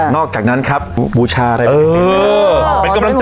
นอกจากนะครับปลูชาอะไรเพียงสิทธิ์